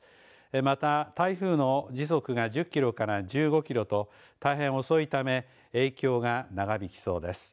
また、台風の時速が１０キロから１５キロと大変遅いため影響が長引きそうです。